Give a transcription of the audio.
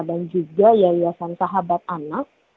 dan juga yayasan sahabat anak